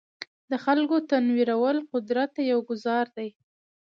د خلکو تنویرول د قدرت ته یو ګوزار دی.